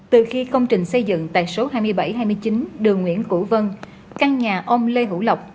từ khi công trình xây dựng tại số hai mươi bảy hai mươi chín đường nguyễn củ vân căn nhà ông lê hữu lộc